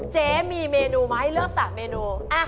เจ๊มีเมนูไหมเลือก๓เมนู